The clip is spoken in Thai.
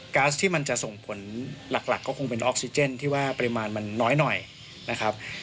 ๊าซที่มันจะส่งผลหลักก็คงเป็นออกซิเจนที่ว่าปริมาณมันน้อยหน่อยนะครับ